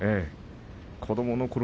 子どものころ